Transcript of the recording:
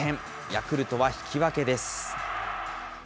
ヤクルトは引き分けです。